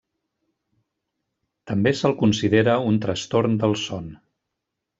També se'l considera un trastorn del son.